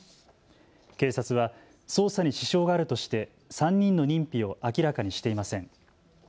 警察は捜査に支障があるとして３人の認否を明らかにしていません。